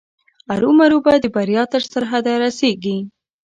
ارومرو به د بریا تر سرحده رسېږي.